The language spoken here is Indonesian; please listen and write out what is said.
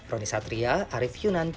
roni satria arief yunan